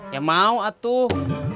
ya mau atuh